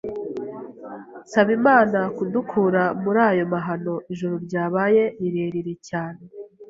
nsaba Imana kudukura murayo mahano ijoro ryabaye rirerire cyane.